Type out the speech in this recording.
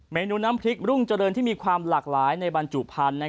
เนื้อน้ำพริกรุ่งเจริญที่มีความหลากหลายในบรรจุพันธุ์